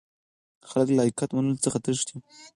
خلک له حقيقت منلو څخه تښتي.